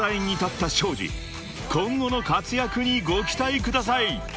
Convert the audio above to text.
［今後の活躍にご期待ください］